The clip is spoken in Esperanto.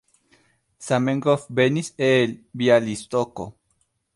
Zamenhof venis el Bjalistoko.